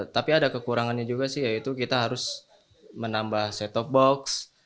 tapi ada kekurangannya juga sih yaitu kita harus menambah set top box